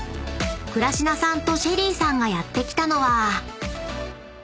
［倉科さんとＳＨＥＬＬＹさんがやって来たのは］